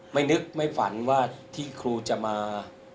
ไม่นึกไม่ฝันว่าที่ครูจะมา